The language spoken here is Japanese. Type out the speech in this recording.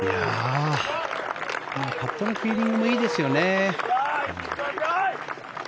パットのフィーリングもいいですよね。